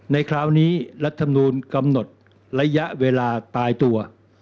ในคราวนี้รัฐมนูลกำหนดระยะเวลาตายตัว